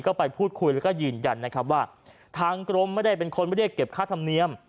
ก็ไปพูดคุยแล้วก็ยืนยันนะครับว่าทางกรมไม่ได้เป็นคนเรียกเก็บค่าธรรมเนียม